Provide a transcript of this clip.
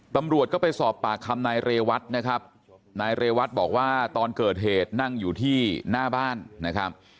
ตำรวจก็ไปสอบปากคำนายเรวัตนะครับนายเรวัตบอกว่าตอนเกิดเหตุนั่งอยู่ที่หน้าบ้านนะครับ